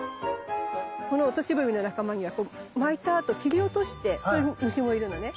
このオトシブミの仲間には巻いたあと切り落としてそういう虫もいるのね。